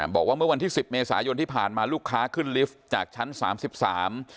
บอกว่าเมื่อวันที่สิบเมษายนที่ผ่านมาลูกค้าขึ้นลิฟต์จากชั้นสามสิบสาม